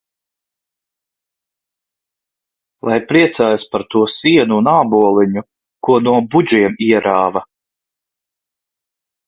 Lai priecājas par to sienu un āboliņu, ko no budžiem ierāva!